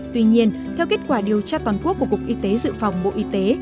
tuy nhiên theo kết quả điều tra toàn quốc của cục y tế dự phòng bộ y tế